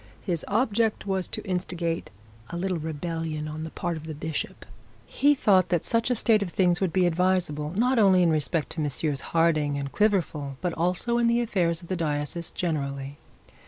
His object was to instigate a little rebellion on the part of the bishop. He thought that such a state of things would be advisable, not only in respect to Messrs Harding and Quiverful, but also in the affairs of the diocese generally.